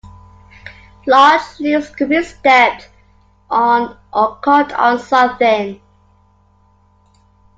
Large loops could be stepped on or caught on something.